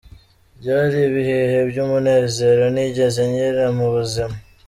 Byari ibihe by’ umunezero ntigeze ngira mu buzima.